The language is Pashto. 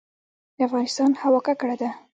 د افغانستان هوا ککړه ده